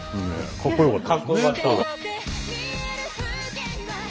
かっこよかった。